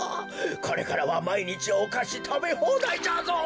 これからはまいにちおかしたべほうだいじゃぞ。